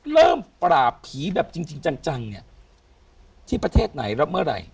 เริ่มปราบผีแบบจริงจังเนี่ยที่ประเทศไหนแล้วเมื่อไหร่